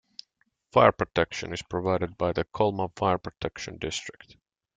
Fire protection is provided by the Colma Fire Protection District.